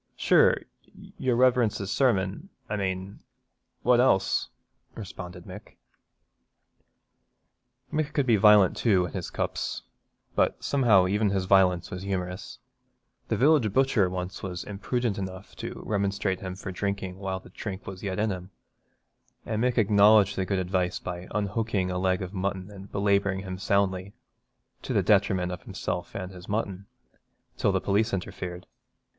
'Sure, your Reverence's sermon, I mane, what else?' responded Mick. Mick could be violent too in his cups, but somehow even his violence was humorous. The village butcher once was imprudent enough to remonstrate with him for drinking, while the drink was yet in him, and Mick acknowledged the good advice by unhooking a leg of mutton and belabouring him soundly, to the detriment of himself and his mutton, till the police interfered.